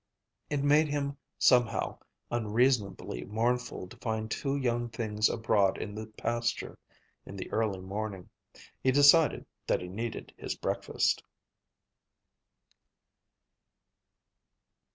It made him, somehow, unreasonably mournful to find two young things abroad in the pasture in the early morning. He decided that he needed his breakfast.